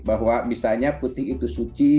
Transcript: bahwa misalnya putih itu suci